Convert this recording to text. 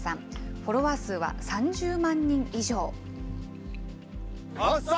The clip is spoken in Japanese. フォロワー数は３０万人以上。